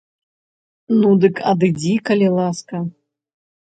Ну дык адыдзі, калі ласка.